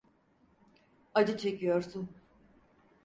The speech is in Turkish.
Acı çekiyorsun.